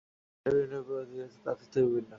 এটা বিভিন্ন উপায়ে ঐতিহ্যগত তাফসীর থেকে থেকে ভিন্ন।